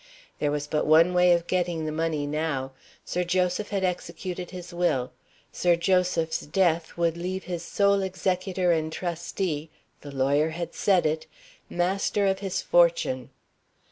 There was but one way of getting the money now. Sir Joseph had executed his Will; Sir Joseph's death would leave his sole executor and trustee (the lawyer had said it!) master of his fortune.